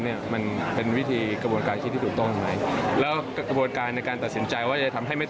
เนี่ยมันเป็นวิธีกระบวนการคิดที่จรุดต้มไหม